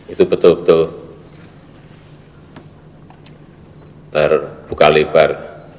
itu betul betul terbuka lebar